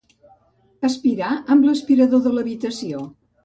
Aspirar amb l'aspirador l'habitació.